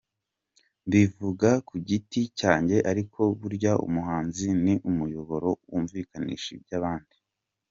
Mbivuga ku giti cyanjye ariko burya umuhanzi ni umuyoboro wumvikanisha iby’abandi.